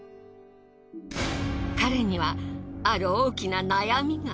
彼にはある大きな悩みが。